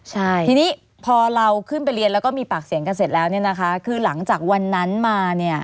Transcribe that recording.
ใช่ทีนี้พอเราขึ้นไปเรียนแล้วก็มีปากเสียงกันเสร็จแล้วเนี่ยนะคะคือหลังจากวันนั้นมาเนี่ย